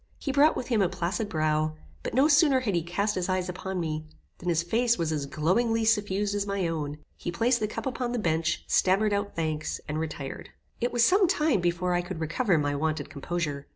He brought with him a placid brow; but no sooner had he cast his eyes upon me, than his face was as glowingly suffused as my own. He placed the cup upon the bench, stammered out thanks, and retired. It was some time before I could recover my wonted composure.